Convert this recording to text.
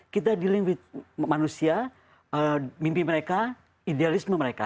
kita dealing with manusia mimpi mereka idealisme mereka